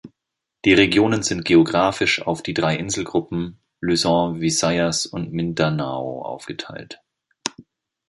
Die Regionen sind geographisch auf die drei Inselgruppen Luzon, Visayas und Mindanao aufgeteilt.